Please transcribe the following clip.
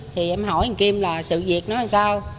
thì em hỏi nguyễn kim là sự việc nó làm sao